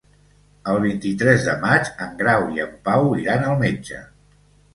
El vint-i-tres de maig en Grau i en Pau iran al metge.